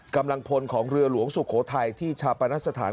กำลังพลของเรือหลวงสุโขทัยที่ชาปนสถาน